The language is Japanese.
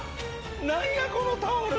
何やこのタオル！